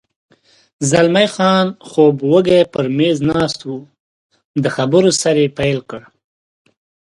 زلمی خان خوب وږی پر مېز ناست و، د خبرو سر پیل کړ.